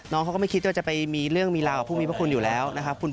น้องเขาก็ไม่คิดว่าจะไปมีเรื่องมีราวกับผู้มีพระคุณอยู่แล้วนะครับ